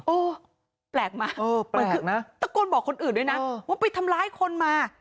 โอ้แปลกมาโอ้แปลกนะตะโกนบอกคนอื่นด้วยนะว่าไปทำร้ายคนมา